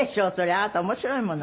「あなた面白いもの」